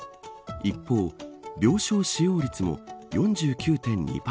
一方、病床使用率も４９．２％。